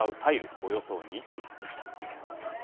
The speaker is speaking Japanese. およそ２トンでした。